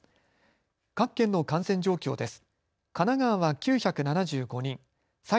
各県の感染状況です。